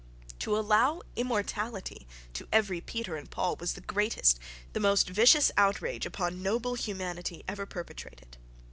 To allow "immortality" to every Peter and Paul was the greatest, the most vicious outrage upon noble humanity ever perpetrated.